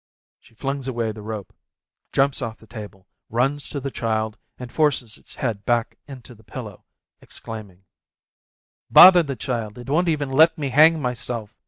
She flings away the rope, jumps off the table, runs to the child, and forces its head back into the pillow, exclaiming : "Bother the child ! It won't even let me hang myself